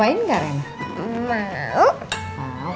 jangan lupa kerap momo